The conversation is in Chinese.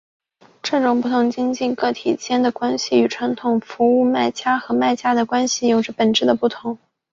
这种不同经济个体间的关系与传统的服务买家和卖家的关系有着本质的不同。